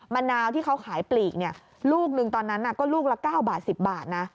มะนาวที่เขาขายปลีกลูกหนึ่งตอนนั้นก็ลูกละ๙บาท๑๐บาทนะ